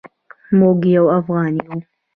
موږ یو افغان یو